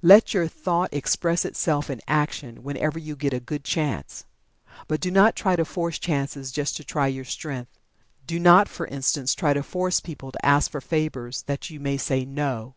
Let your thought express itself in action, whenever you get a good chance. But do not try to force chances just to try your strength. Do not, for instance, try to force people to ask for favors that you may say "No!"